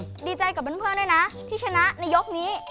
ดีใจกับเพื่อนด้วยนะที่ชนะในยกนี้